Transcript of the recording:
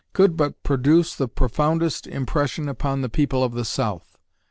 could but produce the profoundest impression upon the people of the South.